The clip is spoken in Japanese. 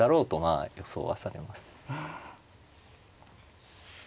あ予想はされます。